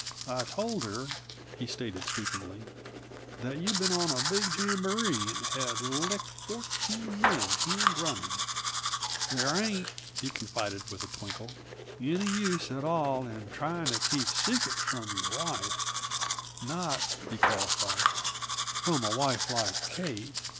I told her," he stated sweepingly, "that you'd been on a big jamboree and had licked fourteen men hand running. There ain't," he confided with a twinkle, "any use at all in trying to keep a secret from your wife; not," he qualified, "from a wife like Kate!